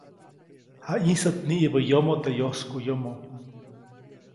Jayĩsät niʼibä yomoʼ teʼ yoskuʼyomo.